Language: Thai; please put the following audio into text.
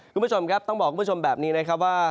คุณผู้ชมครับต้องบอกคุณผู้ชมแบบนี้นะครับว่า